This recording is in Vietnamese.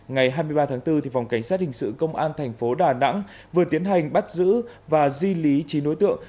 ngày hai mươi ba tháng bốn phòng cảnh sát hình sự công an thành phố đà nẵng vừa tiến hành bắt giữ và di lý chín đối tượng